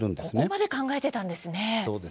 そこまで考えていたんですね。